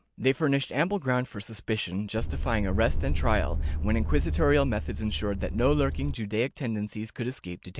They furnished ample ground for suspicion, justifying arrest and trial, when inquisitorial methods insured that no lurking Judaic tendencies could escape detection.